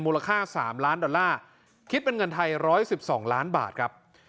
มูลค่า๓ล้านดอลลาร์คิดเป็นเงินไทย๑๑๒ล้านบาทครับ